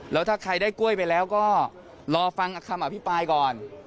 แล้วถ้าใครได้กล้วยไปแล้วก็รอฟังคำอภิปรายก่อน